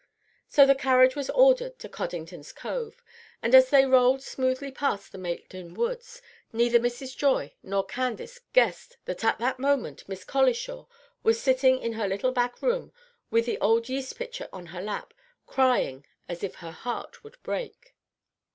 So the carriage was ordered to Coddington's Cove; and as they rolled smoothly past the Maitland Woods, neither Mrs. Joy nor Candace guessed that at that moment Miss Colishaw was sitting in her little back room, with the old yeast pitcher in her lap, crying as if her heart would break.